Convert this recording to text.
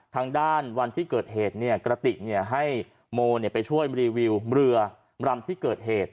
วันที่เกิดเหตุกระติกให้โมไปช่วยรีวิวเรือรำที่เกิดเหตุ